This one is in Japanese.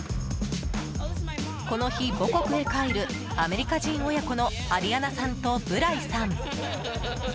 この日、母国へ帰るアメリカ人親子のアリアナさんとブライさん。